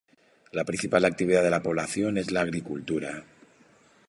La principal actividad de la población es la agricultura.